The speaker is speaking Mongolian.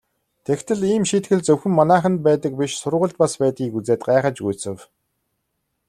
Тэгтэл ийм шийтгэл зөвхөн манайханд байдаг биш сургуульд бас байдгийг үзээд гайхаж гүйцэв.